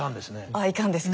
ああいかんですか。